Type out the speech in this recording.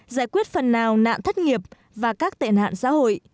đứt phần nào nạn thất nghiệp và các tệ nạn xã hội